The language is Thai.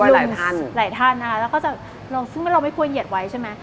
ลุงส์ด้วยหลายท่านอ่ะแล้วก็จะซึ่งเราไม่ควรเหยียดไว้ใช่ไหม